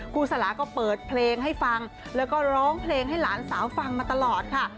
สลาก็เปิดเพลงให้ฟังแล้วก็ร้องเพลงให้หลานสาวฟังมาตลอดค่ะ